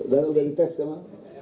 dan udah dites sama